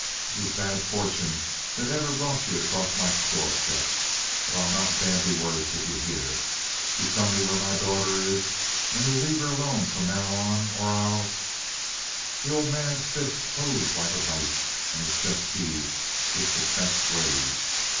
It was bad fortune that ever brought ye across my doorstep; but I'll not bandy words with ye here. Ye'll tell me where my daughter is, and ye'll leave her alone from now, or I'll—" The old man's fists closed like a vise, and his chest heaved with suppressed rage.